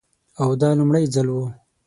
او دا لومړی ځل و.